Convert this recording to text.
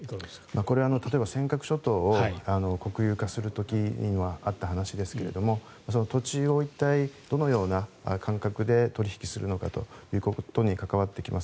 これ、例えば尖閣諸島を国有化する時にあった話ですが土地を一体どのような感覚で取引するのかということに関わってきます。